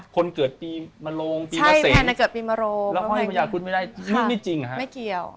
คนเกิดปีมโรงปีเมษีแล้วค่อยพระยาครุฑิ์ไม่ได้ไม่เกี่ยว